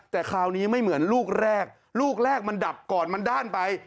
แต่คราวนี้ไม่เหมือนลูกแรกลูกแรกมันดับก่อนมันด้านไป